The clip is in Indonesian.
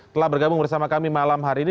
telah bergabung bersama kami malam hari ini